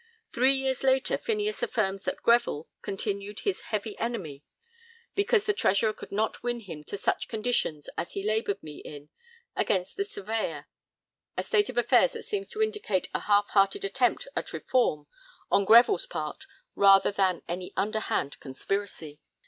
Three years later Phineas affirms that Greville continued his 'heavy enemy' because the Treasurer could not win him 'to such conditions as he laboured me in' against the Surveyor, a state of affairs that seems to indicate a half hearted attempt at reform on Greville's part, rather than any underhand conspiracy.